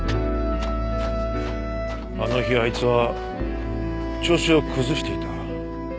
あの日あいつは調子を崩していた。